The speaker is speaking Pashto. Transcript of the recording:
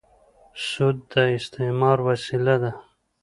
سود د استثمار وسیله ده.